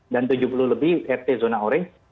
dan tujuh puluh an lebih rt zona orange